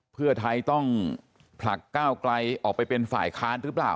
เพื่อไทยต้องผลักก้าวไกลออกไปเป็นฝ่ายค้านหรือเปล่า